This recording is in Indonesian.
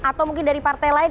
atau mungkin dari partai lain